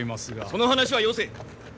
その話はよせ。